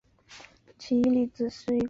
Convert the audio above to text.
奇异粒子是一类亚原子粒子的统称。